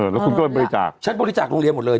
แล้วคุณโดยบริจาคอะไรนะชั้นบริจากโรงเรียนหมดเลย